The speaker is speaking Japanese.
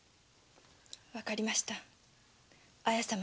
分かりました綾様